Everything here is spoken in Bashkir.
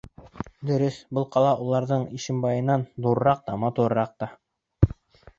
Дөрөҫ, был ҡала уларҙың Ишембайынан ҙурыраҡ та, матурыраҡ та.